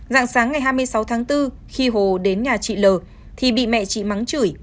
dạng sáng ngày hai mươi sáu tháng bốn khi hồ đến nhà chị l thì bị mẹ chị mắng chửi